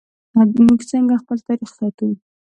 موږ څنګه خپل تاریخ ساتو؟